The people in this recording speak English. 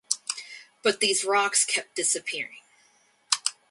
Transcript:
But these rocks kept disappearing.